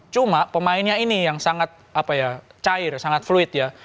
cuma pemainnya ini yang sangat cair sangat fluid ya